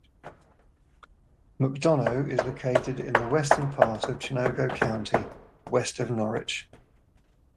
McDonough is located in the western part of Chenango County, west of Norwich.